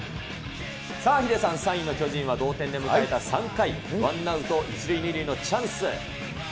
さあ、ヒデさん、３位の巨人は同点で迎えた３回、ワンアウト１塁２塁のチャンス。